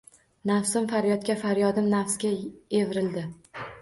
Nafasim faryodga faryodim nafasga evrildi.